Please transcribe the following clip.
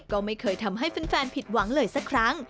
ก็ไม่เคยทำให้แฟนผิดหวังเลยสักครั้ง